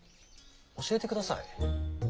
教えてください。